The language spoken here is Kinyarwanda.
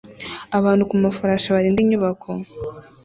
abantu ku mafarashi barinda inyubako